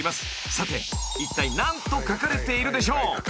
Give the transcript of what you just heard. ［さていったい何と書かれているでしょう？］